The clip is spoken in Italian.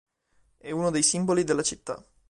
È uno dei simboli della città.